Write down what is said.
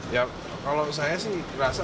ya kalau misalnya sih